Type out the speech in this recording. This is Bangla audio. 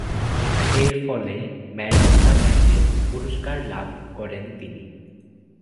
এরফলে ম্যান অব দ্য ম্যাচের পুরস্কার লাভ করেন তিনি।